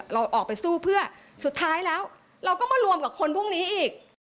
เราออกไปสู้เพื่อสุดท้ายแล้วเราก็มารวมกับคนพวกนี้อีก